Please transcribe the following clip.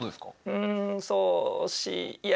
うんそう惜しい。